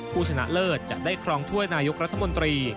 ผู้ชนะเลิศจะได้ครองถ้วยนายกรัฐมนตรี